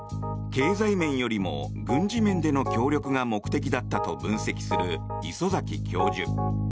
経済面よりも軍事面での協力が目的だったと分析する礒崎教授。